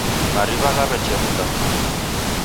mariw'a ghaw'echemka.